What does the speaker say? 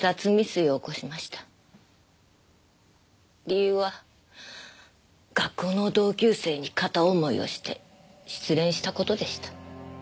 理由は学校の同級生に片思いをして失恋した事でした。